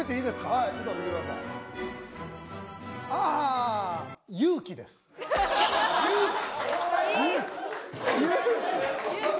はいちょっと見てくださいああいい勇気？